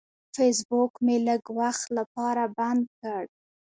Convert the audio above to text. فیسبوک مې لږ وخت لپاره بند کړ.